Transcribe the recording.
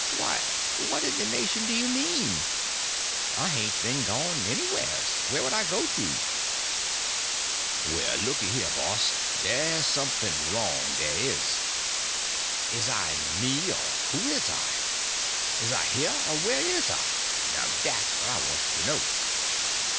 Why, what in the nation do you mean? I hain't been gone anywheres. Where would I go to?" "Well, looky here, boss, dey's sumf'n wrong, dey is. Is I me, or who is I? Is I heah, or whah is I? Now dat's what I wants to know."